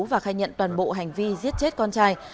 và khai nhận toàn bộ hành vi giết chết con trai